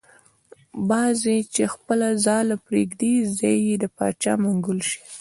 باز چی خپله ځاله پریږدی ځای یی دباچا منګول شی .